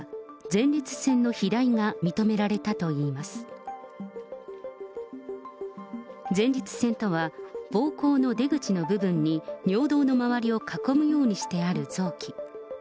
前立腺とは、ぼうこうの出口の部分に尿道の周りを囲むようにしてある臓器。